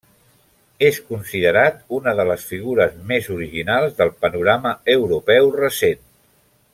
És considerat una de les figures més originals del panorama europeu recent.